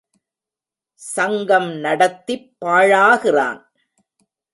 சங்கம் நடத்திப் பாழாகிறான்.